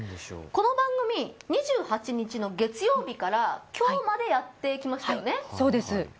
この番組、２８日の月曜日からきょうまでやってきましたよね。